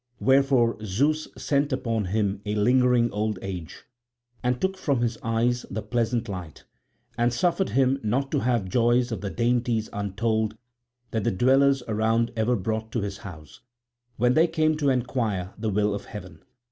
Wherefore Zeus sent upon him a lingering old age, and took from his eyes the pleasant light, and suffered him not to have joy of the dainties untold that the dwellers around ever brought to his house, when they came to enquire the will of heaven.